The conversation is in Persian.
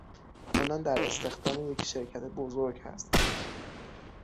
آنان در استخدام یک شرکت بزرگ هستند.